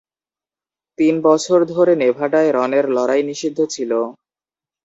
তিন বছর ধরে নেভাডায় রনের লড়াই নিষিদ্ধ ছিল।